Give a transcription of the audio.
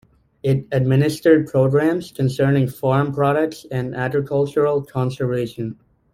It administered programs concerning farm products and agricultural conservation.